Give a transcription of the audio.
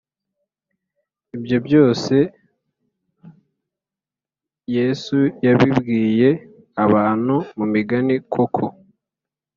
Ibyo byose Yesu yabibwiye abantu mu migani Koko